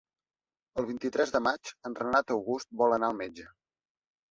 El vint-i-tres de maig en Renat August vol anar al metge.